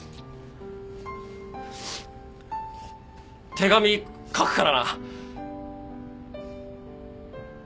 手紙書くからな！